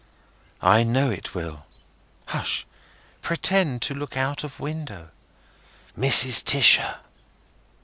"I know it will. Hush! Pretend to look out of window—Mrs. Tisher!"